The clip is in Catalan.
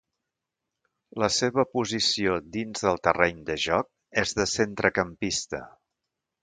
La seva posició dins del terreny de joc és de centrecampista.